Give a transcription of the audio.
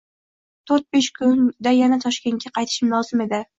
To’rt-besh kunda yana Toshkentga qaytishim lozim edi.